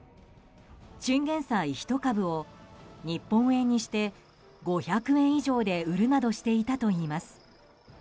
チンゲン菜１株を日本円にして５００円以上で売るなどしていたといいます。